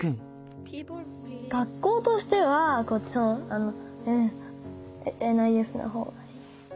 学校としてはこっちのＮＩＳの方がいい。